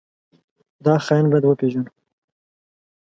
دا خاين بايد وپېژنو.